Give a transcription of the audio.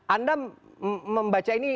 anda membaca ini